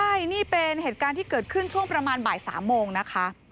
ใช่นี่เป็นเหตุการณ์ที่เกิดขึ้นช่วงประมาณบ่าย๓โมงนะคะ